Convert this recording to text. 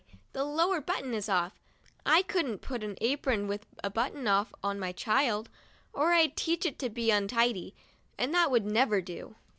the lower button's off. I couldn't put an apron with a button off on my child, or I'd teach it to be untidy, and that would never do."